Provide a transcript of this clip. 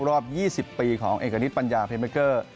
รอบ๒๐ปีของเอกณิตปัญญาเพเมเกอร์